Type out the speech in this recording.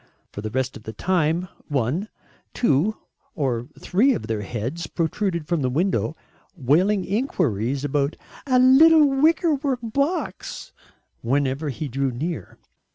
For the rest of the time, one, two, or three of their heads protruded from the window wailing enquiries about "a little wickerwork box" whenever he drew near.